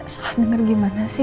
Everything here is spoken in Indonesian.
sela denger gimana sih